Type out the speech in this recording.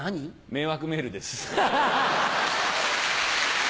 迷惑メールです。